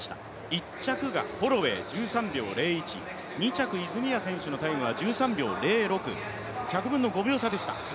１着がホロウェイ１３秒０１、２着、泉谷選手のタイムは１３秒０６、１００分の５秒差でした。